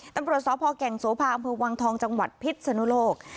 ตำรวจสพแก่งโสภาอำเภอวังทองจังหวัดพิษนุโลก